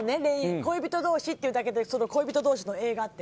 恋人同士というだけで恋人同士の映画って。